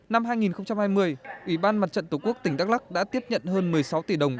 năm hai nghìn hai mươi ủy ban mặt trận tổ quốc tỉnh đắk lắc đã tiếp nhận hơn một mươi sáu tỷ đồng